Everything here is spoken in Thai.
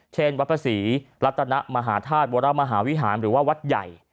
เช่นวัดพระศรีรัตนมหาธาตุวรมหาวิหารหรือว่าวัดใหญ่